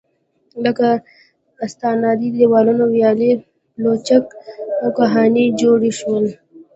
لكه: استنادي دېوالونه، ويالې، پولچك او كوهيان جوړ شول.